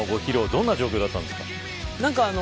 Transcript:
どんな状況だったんですか。